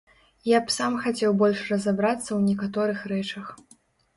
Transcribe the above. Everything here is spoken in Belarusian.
Я б сам хацеў больш разабрацца ў некаторых рэчах.